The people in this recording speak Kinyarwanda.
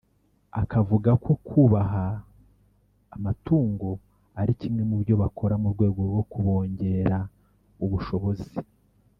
akavuga ko kubaha amatungo ari kimwe mu byo bakora mu rwego rwo kubongera ubushobozi